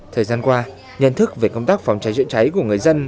thời gian qua nhận thức về công tác phòng cháy chữa cháy của người dân